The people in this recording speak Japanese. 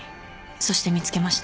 そして見つけました。